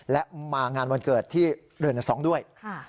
และมางานวันเกิดที่โรงแรมเรเนซองค์ด้วย